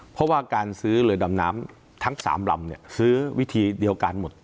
เพราะว่าการซื้อเรือดำน้ำทั้ง๓ลำซื้อวิธีเดียวกันหมด